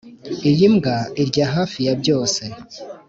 iyi mbwa irya hafi ya byose.